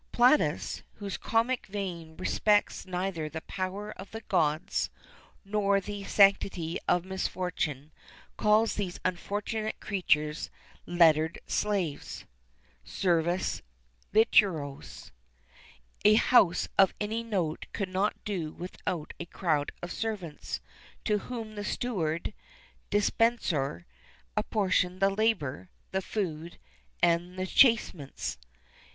[XXXIII 7] Plautus, whose comic vein respects neither the power of the Gods nor the sanctity of misfortune, calls these unfortunate creatures "lettered slaves" (servos literatos).[XXXIII 8] A house of any note could not do without a crowd of servants, to whom the steward (dispensator) apportioned the labour, the food, and the chastisements.